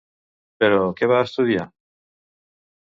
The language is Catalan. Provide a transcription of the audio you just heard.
Però, què va estudiar?